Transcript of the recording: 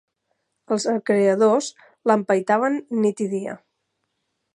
Els a creedors l'empaitaven nit i dia